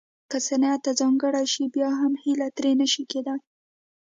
که صنعت ته ځانګړې شي بیا هم هیله ترې نه شي کېدای